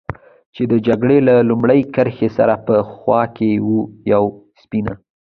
چې د جګړې له لومړۍ کرښې سره په خوا کې و، یوه سپینه.